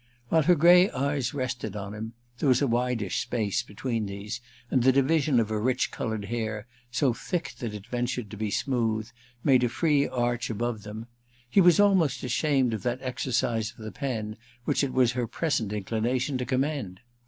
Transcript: While her grey eyes rested on him—there was a wideish space between these, and the division of her rich coloured hair, so thick that it ventured to be smooth, made a free arch above them—he was almost ashamed of that exercise of the pen which it was her present inclination to commend.